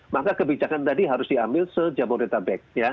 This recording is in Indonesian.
maka kebijakan tadi harus diambil sejak modul tabek